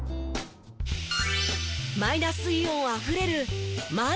マイナスイオンあふれる